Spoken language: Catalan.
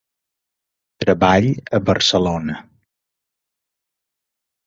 Treballo a Barcelona.